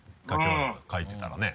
描いてたらね。